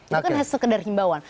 itu kan sekedar himbauan